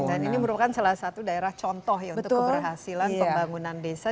dan ini merupakan salah satu daerah contoh ya untuk keberhasilan pembangunan desa